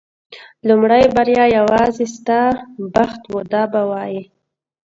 لومړۍ بریا یوازې ستا بخت و دا به یې وایي.